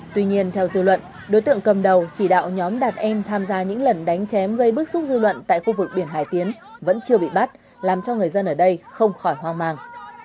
tuy nhiên theo dư luận đối tượng cầm đầu chỉ đạo nhóm đạt em tham gia những lần đánh chém gây bức xúc dư luận tại khu vực biển hải tiến vẫn chưa bị bắt làm cho người dân ở đây không khỏi hoang mang